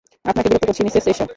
আপনাকে বিরক্ত করছি মিসেস এশার?